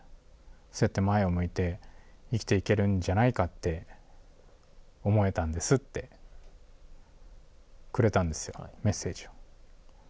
そうやって前を向いて生きていけるんじゃないかって思えたんですってくれたんですよメッセージを。